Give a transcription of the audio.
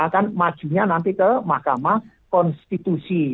akan majunya nanti ke mahkamah konstitusi